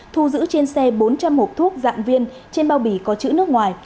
thu giữ trên xe bốn trăm linh hộp thuốc dạng viên trên bao bì có chữ nước ngoài